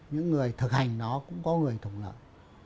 những người thực hành nó cũng có người thụng lợi